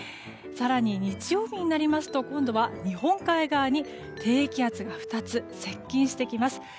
更に日曜日になりますと今度は日本海側に低気圧が２つ、接近してきます。